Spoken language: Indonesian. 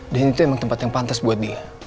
dan itu emang tempat yang pantas buat dia